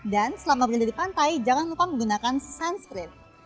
dan selama berada di pantai jangan lupa menggunakan sunscreen